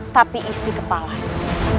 tapi isi kepalanya